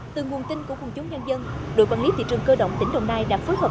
từ nguồn tin của quân chúng nhân dân đội quản lý thị trường cơ động tỉnh đồng nai đã phối hợp